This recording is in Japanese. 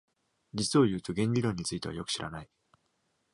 実を言うと、弦理論についてはよく知らない。